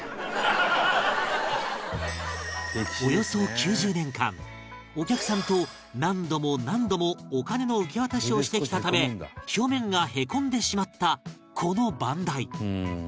およそ９０年間お客さんと何度も何度もお金の受け渡しをしてきたため表面がへこんでしまったこの番台